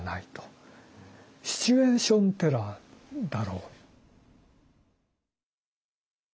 シチュエーション・テラーだろう。